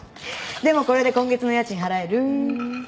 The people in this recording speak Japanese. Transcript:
でもこれで今月の家賃払える！